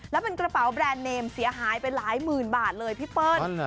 แล้วเป็นกระเป๋าแบรนด์เนมเสียหายไปหลายหมื่นบาทเลยพี่เปิ้ล